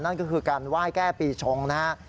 นั่นก็คือการไหว้แก้ปีชงนะฮะ